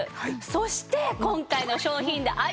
そして今回の商品であります